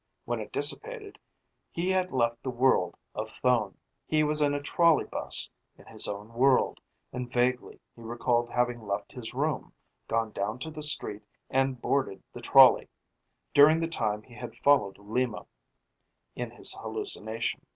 When it dissipated, he had left the world of Thone. He was in a trolley bus, in his own world, and vaguely he recalled having left his room, gone down to the street, and boarded the trolley during the time he had followed Lima, in his hallucination.